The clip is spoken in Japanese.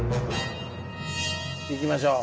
いきましょう。